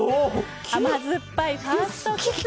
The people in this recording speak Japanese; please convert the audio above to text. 甘酸っぱいファーストキス。